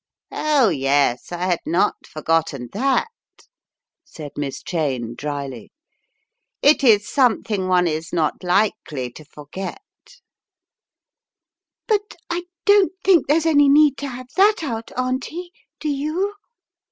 "Oh, yes, I had not forgotten that" said Miss Cheyne drily, "It is something one is not likely to forget," "But I don't think there's any need to have that out, Auntie; do you?"